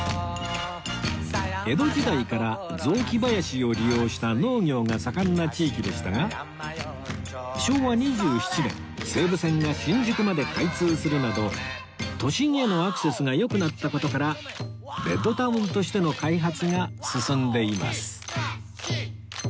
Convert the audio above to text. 江戸時代から雑木林を利用した農業が盛んな地域でしたが昭和２７年西武線が新宿まで開通するなど都心へのアクセスが良くなった事からベッドタウンとしての開発が進んでいます